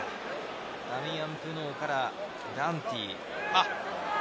ダミアン・プノーからダンティ。